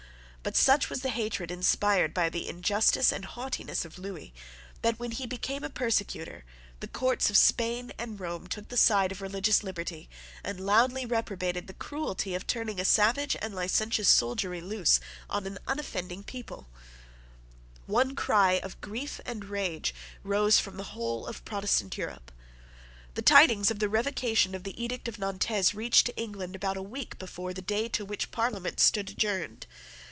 But such was the hatred inspired by the injustice and haughtiness of Lewis that, when he became a persecutor, the courts of Spain and Rome took the side of religious liberty, and loudly reprobated the cruelty of turning a savage and licentious soldiery loose on an unoffending people. One cry of grief and rage rose from the whole of Protestant Europe. The tidings of the revocation of the edict of Nantes reached England about a week before the day to which the Parliament stood adjourned.